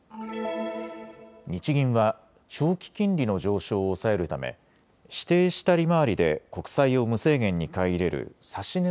日銀は長期金利の上昇を抑えるため指定した利回りで国債を無制限に買い入れる指値